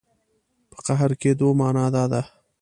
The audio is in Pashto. په قهر کېدو معنا دا ده.